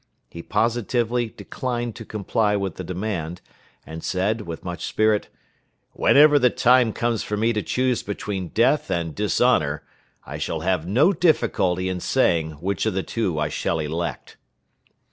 He positively declined to comply with the demand, and said, with much spirit, "_Whenever the time comes for me to choose between death and dishonor, I shall have no difficulty in saying which of the two I shall elect.